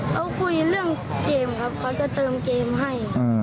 เขาคุยเรื่องเกมครับเขาจะเติมเกมให้